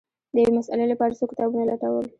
د یوې مسألې لپاره څو کتابونه لټول